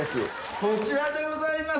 こちらでございます。